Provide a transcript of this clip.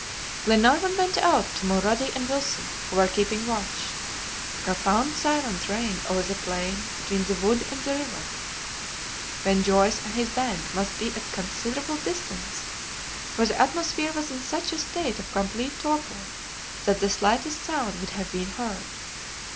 Glenarvan went out to Mulrady and Wilson, who were keeping watch. Profound silence reigned over the plain between the wood and the river. Ben Joyce and his band must be at considerable distance, for the atmosphere was in such a state of complete torpor that the slightest sound would have been heard.